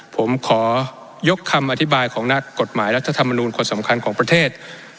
ผมขอยกคำอธิบายของนักกฎหมายรัฐธรรมนูลคนสำคัญของประเทศ